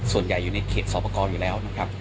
ส่วนใหญ่อยู่ในเขตสอบประกอบอยู่แล้วนะครับ